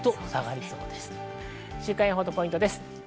週間予報とポイントです。